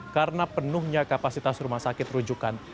karena penuhnya kapasitas rumah sakit terujukan